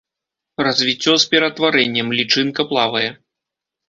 Развіццё з ператварэннем, лічынка плавае.